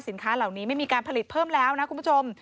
เหล่านี้ไม่มีการผลิตเพิ่มแล้วนะคุณผู้ชม